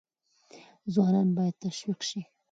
ځوانان باید تشویق شي.